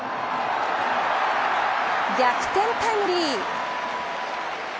逆転タイムリー。